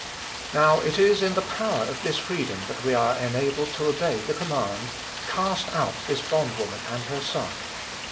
Now, it is in the power of this freedom that we are enabled to obey the command, "Cast out this bond woman and her son."